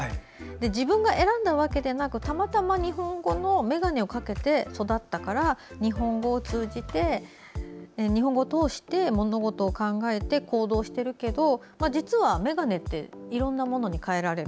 自分が選んだわけではなくたまたま日本語の眼鏡をかけて育ったから、日本語を通して物事を考えて行動しているけれど実は、眼鏡っていろんなものに替えられる。